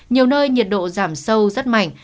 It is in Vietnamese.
nhiều nơi nhiệt độ giảm sâu rất mạnh